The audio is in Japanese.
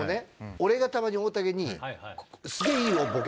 俺がたまに大竹に「すげぇ」。